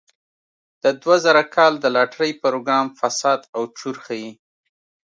د دوه زره کال د لاټرۍ پروګرام فساد او چور ښيي.